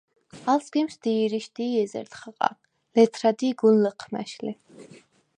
ალ სგიმს დირიშდი ეზერდ ხაყა, ლეთრადი გუნ ლჷჴმა̈შ ლი.